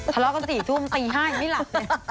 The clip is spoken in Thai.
ถ้ารอกใส่ศีรีสิตี้ห้ายไม่หลับ